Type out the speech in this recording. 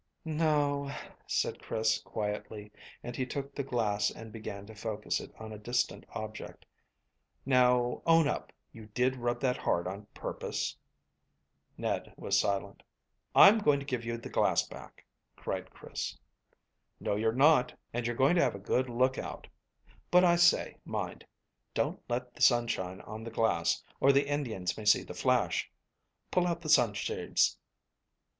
"No," said Chris quietly, and he took the glass and began to focus it on a distant object. "Now, own up; you did rub that hard on purpose?" Ned was silent. "I'm going to give you the glass back," cried Chris. "No, you're not; and you're going to have a good look out. But I say, mind; don't let the sun shine on the glass, or the Indians may see the flash. Pull out the sunshades."